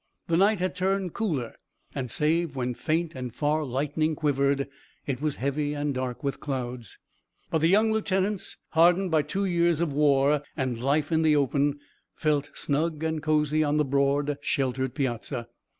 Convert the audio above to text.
The night had turned cooler, and, save when faint and far lightning quivered, it was heavy and dark with clouds. But the young lieutenants, hardened by two years of war and life in the open, felt snug and cosy on the broad, sheltered piazza.